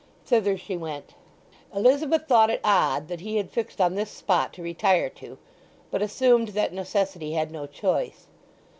Thither she went. Elizabeth thought it odd that he had fixed on this spot to retire to, but assumed that necessity had no choice.